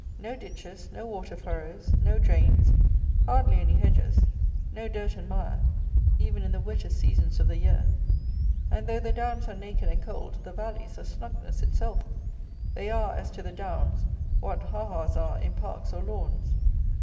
No ditches, no water furrows, no drains, hardly any hedges, no dirt and mire, even in the wettest seasons of the year: and though the downs are naked and cold, the valleys are snugness itself. They are, as to the downs, what ah ahs! are, in parks or lawns.